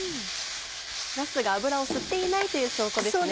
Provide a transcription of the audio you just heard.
なすが油を吸っていないという証拠ですね。